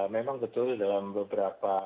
memang betul dalam beberapa